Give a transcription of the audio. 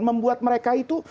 membuat mereka itu